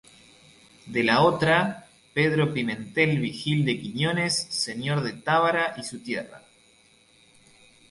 De la otra, Pedro Pimentel Vigil de Quiñones señor de Tábara y su tierra.